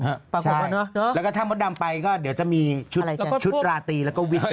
ใช่แล้วก็ถ้ามดดำไปก็เดี๋ยวจะมีชุดราตีแล้วก็วิทย์ไปด้วย